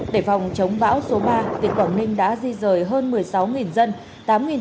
để phòng chống bão số ba tỉnh quảng ninh đã di rời hơn một mươi sáu dân